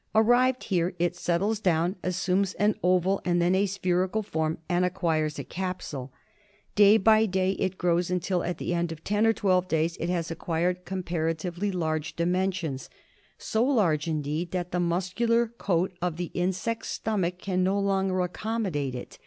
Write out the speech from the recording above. Arrived here it settles down, assumes an oval and then a spherical form and acquires a capsule. Day by day it grows until at the end of ten or twelve days it has acquired compara MALARIA. 95 tively large dimensions, so large indeed that the muscular coat of the insect's stomach can no longer accommodate it.